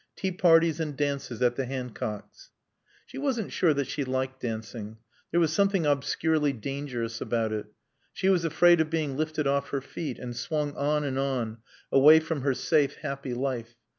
Tea parties and dances at the Hancocks'. She wasn't sure that she liked dancing. There was something obscurely dangerous about it. She was afraid of being lifted off her feet and swung on and on, away from her safe, happy life.